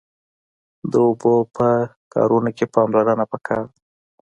د اوبو په کارونه کښی پاملرنه پکار ده